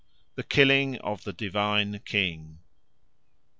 The Killing of the Divine King 1.